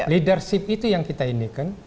leadership itu yang kita inikan